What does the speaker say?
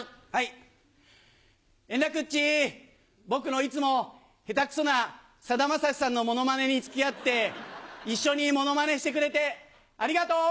円楽っち、僕のいつもへたくそなさだまさしさんのものまねにつきあって、一緒にものまねしてくれてありがとう。